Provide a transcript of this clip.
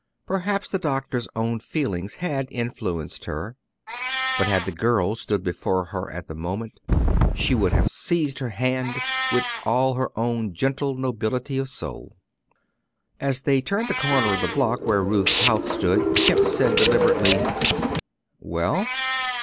Perhaps the doctor's own feelings had influenced her, but had the girl stood before her at the moment, she would have seized her hand with all her own gentle nobility of soul. As they turned the corner of the block where Ruth's house stood, Kemp said deliberately, "Well?"